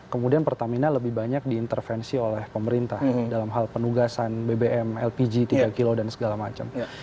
kemudian pertamina lebih banyak diintervensi oleh pemerintah dalam hal penugasan bbm lpg tiga kg dan segala macam